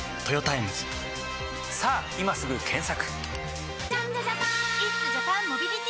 さぁ今すぐ検索！